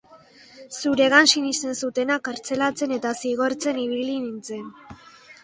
Zuregan sinesten zutenak kartzelatzen eta zigortzen ibili nintzen.